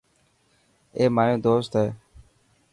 اي مايو دوست هي.